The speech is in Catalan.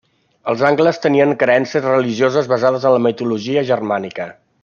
Els angles tenien creences religioses basades en la mitologia germànica.